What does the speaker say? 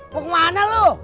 mau kemana lu